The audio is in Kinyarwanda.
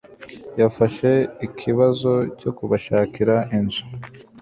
Yafashe ikibazo cyo kubashakira inzu.